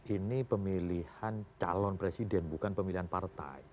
ini pemilihan calon presiden bukan pemilihan partai